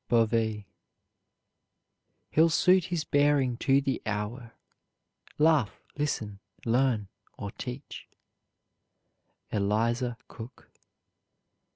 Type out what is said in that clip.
BOVEE. He'll suit his bearing to the hour, Laugh, listen, learn, or teach. ELIZA COOK.